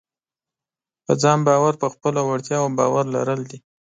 په ځان باور په خپلو وړتیاوو باور لرل دي.